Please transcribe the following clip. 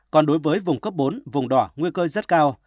còn đối với vùng cấp bốn vùng đỏ nguy cơ rất cao